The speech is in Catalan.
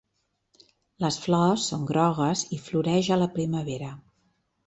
Les flors són grogues i floreix a la primavera.